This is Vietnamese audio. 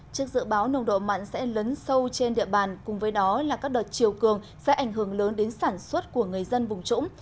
trước dự báo nồng độ mặn sẽ lấn sâu trên địa bàn cùng với đó là các đợt chiều cường sẽ ảnh hưởng lớn đến sản xuất của người dân vùng trũng